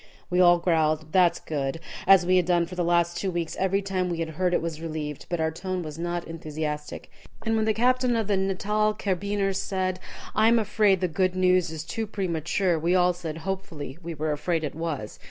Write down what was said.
We all growled "That's good," as we had done for the last two weeks every time we had heard it was relieved, but our tone was not enthusiastic. And when the captain of the Natal Carbineers said, "I am afraid the good news is too premature," we all said, hopefully, we were afraid it was.